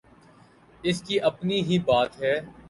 اس کی اپنی ہی بات ہے۔